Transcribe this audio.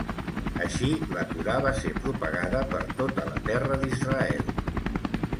Així la Torà va ser propagada per tota la Terra d'Israel.